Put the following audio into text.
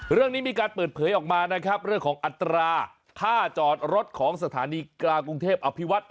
เรื่องนี้มีการเปิดเผยออกมานะครับเรื่องของอัตราค่าจอดรถของสถานีกลางกรุงเทพอภิวัตร